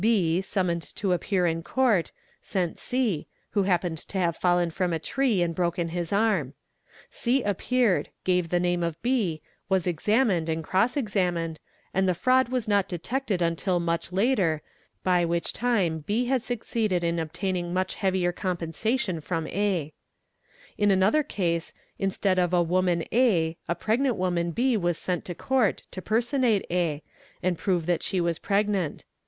B, summoned to appear in Court, sent C, who happened to have fallen from a tree and broken his arm. C appeared, gave the name of B, was examined and cross examined, and the fraud was not detected until much later, by which time B had succeeded in obtaining much heavier compensation PET PORES, MPA BP Ph from A. In another case instead of a woman A, a pregnant woman 3 was sent to Court to personate A and prove that she was pregnant.